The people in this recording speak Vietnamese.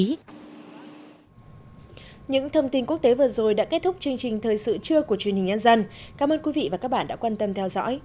tuy nhiên nga trung quốc ấn độ và eu đều phản đối cho rằng việc áp thuế này là để bảo hộ theo đó đòi mỹ bồi thường cho các nước xuất khẩu lớn